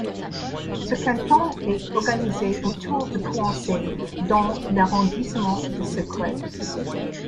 Ce canton est organisé autour de Pouancé dans l'arrondissement de Segré.